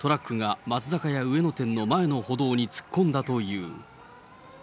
はずみでトラックが松坂屋上野店前の歩道に突っ込んだという。